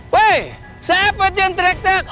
woy siapa yang trek trek